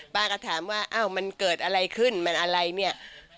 ป้าก็ถามว่าอ้าวมันเกิดอะไรขึ้นมันอะไรเนี่ย